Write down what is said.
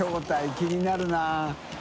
気になるな。